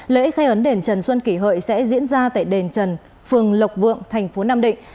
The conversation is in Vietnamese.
lễ khai ấn đền trần xuân kỷ hợi sẽ diễn ra tại đền trần phường lộc vượng thành phố nam định